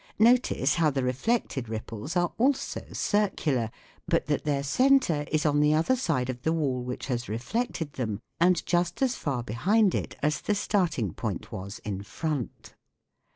Notice how the reflected ripples are also circular, but that their centre is on the other side of the wall which has reflected them, and just as far behind it as the starting point was in front.